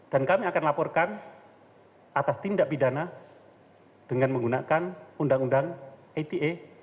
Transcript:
dan kami akan laporkan atas tindak pidana dengan menggunakan undang undang eta